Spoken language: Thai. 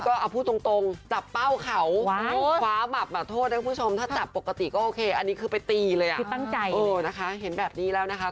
ก็อย่าไปแบบคว้าไปแบบนึงอะไรอย่างนี้เลย